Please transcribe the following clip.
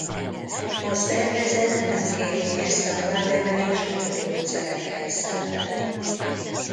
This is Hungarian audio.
A szervezet nem kérvényezte a vádemelést a producerekkel szemben.